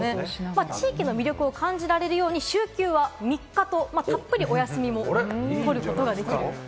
地域の魅力を感じられるように、週休は３日と、たっぷりお休みも取ることができる。